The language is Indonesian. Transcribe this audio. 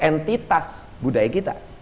entitas budaya kita